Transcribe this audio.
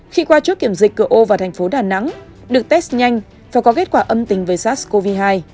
khi qua trước kiểm dịch cửa ô vào tp đà nẵng được test nhanh và có kết quả âm tình với sars cov hai